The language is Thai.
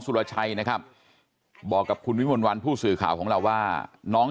รชัยนะครับบอกกับคุณวิมลวันผู้สื่อข่าวของเราว่าน้อง